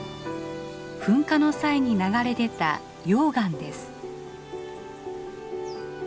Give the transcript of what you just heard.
噴火の際に流れ出た溶岩です。